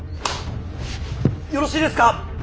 よろしいですか。